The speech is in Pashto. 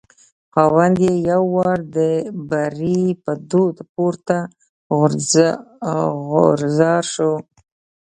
خاوند یې یو وار د بري په دود پورته غورځار شو.